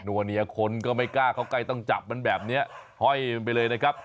ัวเนียคนก็ไม่กล้าเข้าใกล้ต้องจับมันแบบนี้ห้อยมันไปเลยนะครับ